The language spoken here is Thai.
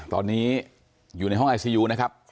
ตอนนี้อยู่ในห้องไอซียูนะครับ